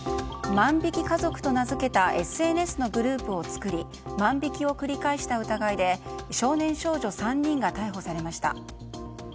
万引き家族と名付けたＳＮＳのグループを作り万引きを繰り返した疑いで少年少女３人が逮捕されました。